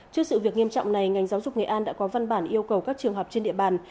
trước sự việc nghiêm trọng này ngành giáo dục nghệ an đã có văn bản yêu cầu các trường học trên địa bàn